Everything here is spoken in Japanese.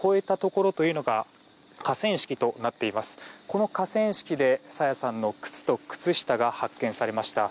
この河川敷で朝芽さんの靴と靴下が発見されました。